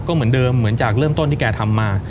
ก็เหมือนเดิมเหมือนจากเริ่มต้นที่แกทำมา